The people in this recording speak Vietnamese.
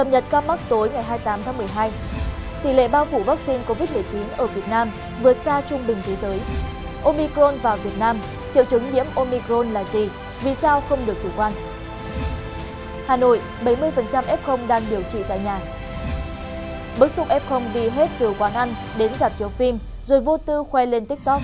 hãy đăng ký kênh để ủng hộ kênh của chúng mình nhé